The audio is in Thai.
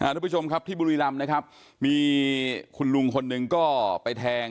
ทุกผู้ชมครับที่บุรีรำนะครับมีคุณลุงคนหนึ่งก็ไปแทง